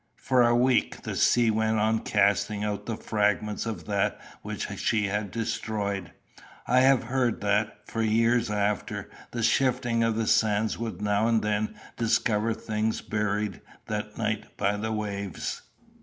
For a week the sea went on casting out the fragments of that which she had destroyed. I have heard that, for years after, the shifting of the sands would now and then discover things buried that night by the waves.